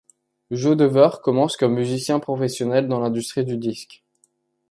Joe Dever commence comme musicien professionnel dans l'industrie du disque.